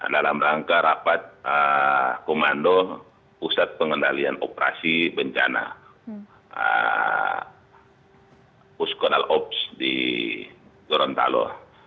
dalam rangka rapat komando pusat pengendalian operasi bencana puskenal ops di gorontalo